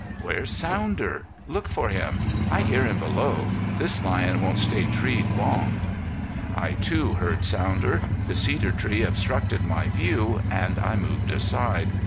"Where's Sounder? Look for him. I hear him below. This lion won't stay treed long." I, too, heard Sounder. The cedar tree obstructed my view, and I moved aside.